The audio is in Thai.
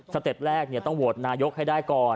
เต็ปแรกต้องโหวตนายกให้ได้ก่อน